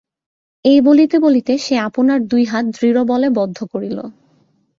এই বলিতে বলিতে সে আপনার দুই হাত দৃঢ়বলে বদ্ধ করিল।